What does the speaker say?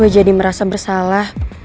gue jadi merasa bersalah